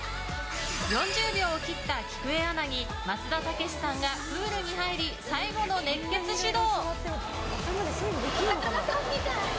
４０秒を切ったきくえアナに松田丈志さんがプールに入り最後の熱血指導。